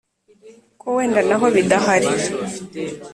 ko wenda naho bidahari.